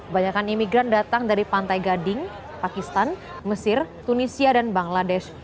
banyakan imigran datang dari pantai gading pakistan mesir tunisia dan bangladesh